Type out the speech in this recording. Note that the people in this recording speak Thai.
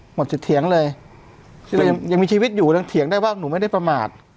หมดสิทธิเถียงเลยยังมีชีวิตอยู่ยังเถียงได้ว่าหนูไม่ได้ประมาท